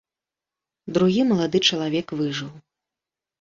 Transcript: Другі малады чалавек выжыў.